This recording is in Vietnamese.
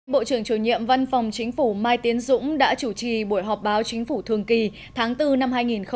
bộ trưởng chủ nhiệm văn phòng chính phủ mai tiến dũng đã chủ trì buổi họp báo chính phủ thường kỳ tháng bốn năm hai nghìn hai mươi